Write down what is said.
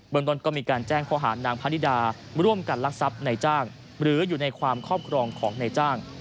บริมดนตรก็มีการแจ้งข้อหารนางพระนิดาร่วมกันรักษัพในจ้างหรืออยู่ในความครอบครองของในจ้าง